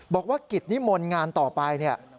บอกว่ากิตนิมนต์งานต่อไป